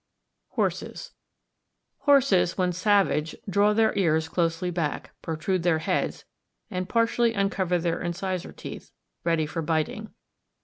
Horses.—Horses when savage draw their ears closely back, protrude their heads, and partially uncover their incisor teeth, ready for biting.